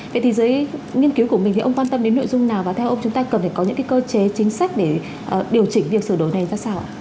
vậy thì dưới nghiên cứu của mình thì ông quan tâm đến nội dung nào và theo ông chúng ta cần phải có những cơ chế chính sách để điều chỉnh việc sửa đổi này ra sao ạ